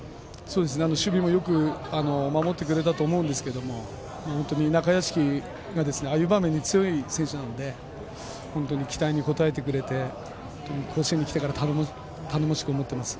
守備もよく守ってくれたと思うんですが中屋敷がああいう場面に強い選手なので本当に期待に応えてくれて本当に甲子園に来てから頼もしく思っています。